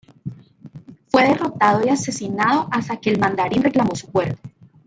Fue derrotado y asesinado, hasta que el Mandarín reclamó su cuerpo.